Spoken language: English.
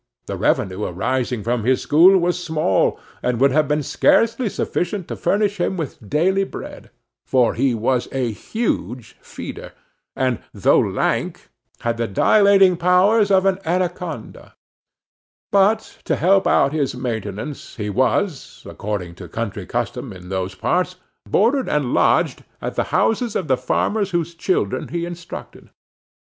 The revenue arising from his school was small, and would have been scarcely sufficient to furnish him with daily bread, for he was a huge feeder, and, though lank, had the dilating powers of an anaconda; but to help out his maintenance, he was, according to country custom in those parts, boarded and lodged at the houses of the farmers whose children he instructed.